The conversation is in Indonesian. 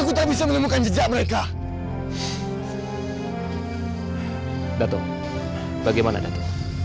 apakah datuk berhasil menemukan keberadaan raja onan ratna